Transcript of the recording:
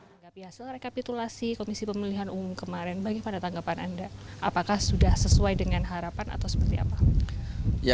anggapi hasil rekapitulasi komisi pemilihan umum kemarin bagaimana tanggapan anda apakah sudah sesuai dengan harapan atau seperti apa